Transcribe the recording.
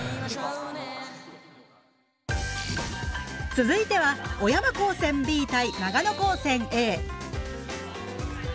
続いては小山高専Ｂ対長野高専Ａ。